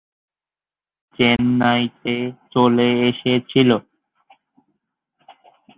সে চেন্নাইতে চলে এসেছিলো।